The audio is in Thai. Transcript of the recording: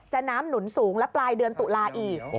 น้ำหนุนสูงและปลายเดือนตุลาอีก